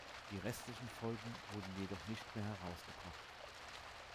Die restlichen Folgen wurden jedoch nicht mehr herausgebracht.